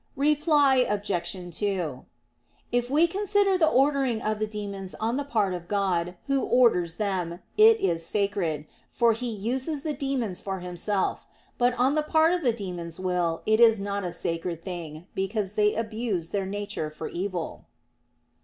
Reply Obj. 2: If we consider the ordering of the demons on the part of God Who orders them, it is sacred; for He uses the demons for Himself; but on the part of the demons' will it is not a sacred thing, because they abuse their nature for evil.